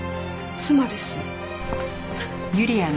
妻です。